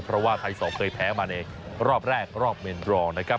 เพราะว่าไทย๒เคยแพ้มาในรอบแรกรอบเมนรองนะครับ